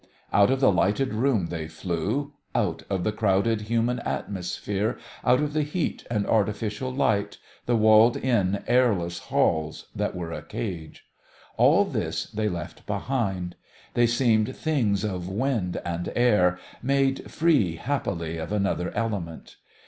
Out of the lighted room they flew, out of the crowded human atmosphere, out of the heat and artificial light, the walled in, airless halls that were a cage. All this they left behind. They seemed things of wind and air, made free happily of another element.